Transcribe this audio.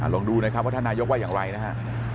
แต่ลงร่วงไว้ควรทานายกว่าอย่างไรนะฮะ